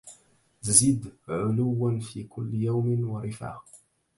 زد علوا في كل يوم ورفعه